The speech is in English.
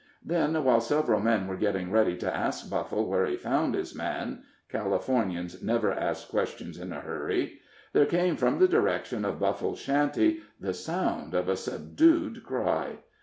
Then, while several men were getting ready to ask Buffle where he found his man Californians never ask questions in a hurry there came from the direction of Buffle's shanty the sound of a subdued cry.